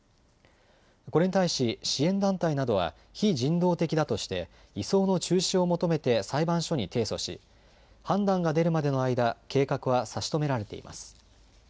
これに対し支援団体などは非人道的だとして移送の中止を求めて裁判所に提訴し判断が出るまでの間、計画は差し止められています。